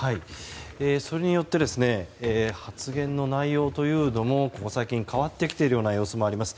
それによって発言の内容というのもここ最近、変わってきている様子もあります。